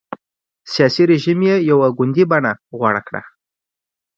سیاسي رژیم یې یو ګوندي بڼه غوره کړه.